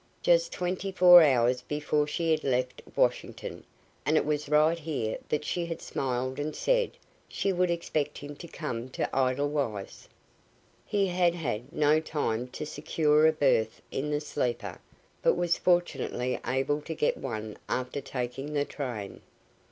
just twenty four hours before she had left Washington, and it was right here that she had smiled and said she would expect him to come to Edelweiss. He had had no time to secure a berth in the sleeper, but was fortunately able to get one after taking the train.